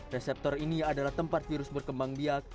reseptor ini adalah tempat virus berkembang biak